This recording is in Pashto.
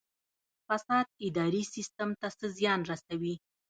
فساد اداري سیستم ته څه زیان رسوي؟